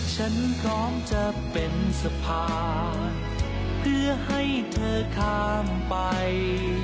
ฉันพร้อมจะเป็นสะพานเพื่อให้เธอข้ามไป